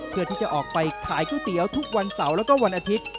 เพื่อที่จะออกไปขายก๋วยเตี๋ยวทุกวันเสาร์แล้วก็วันอาทิตย์